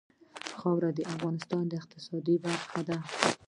خاوره د افغانستان د اقتصاد برخه ده.